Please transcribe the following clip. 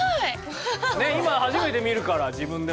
今初めて見るから自分でも。